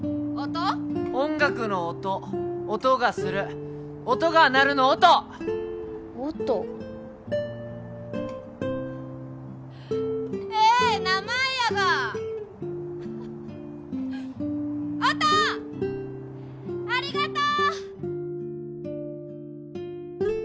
音楽の音音がする音が鳴るの「音」音ええ名前やが音ありがとう！